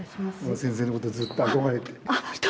先生のことずっと憧れていました。